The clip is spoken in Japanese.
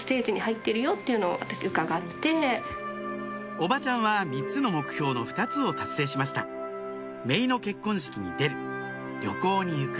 おばちゃんは３つの目標の２つを達成しました「めいの結婚式に出る」「旅行に行く」